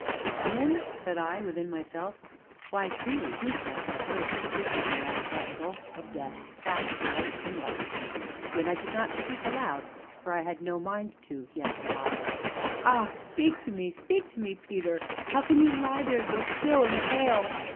"Charmian?" said I, within myself; "why, truly, whose hand but hers could have lifted me out of that gulf of death, back to light and life?" Yet I did not speak aloud, for I had no mind to, yet a while. "Ah! speak to me speak to me, Peter! How can you lie there so still and pale?"